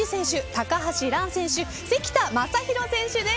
高橋藍選手、関田誠大選手です。